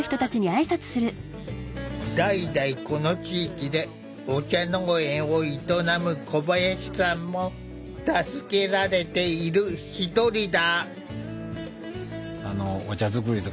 代々この地域でお茶農園を営む小林さんも助けられている一人だ。